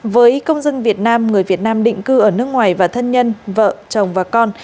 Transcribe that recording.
với công dân việt nam người việt nam định cư ở nước ngoài và thân nhân vợ chồng và con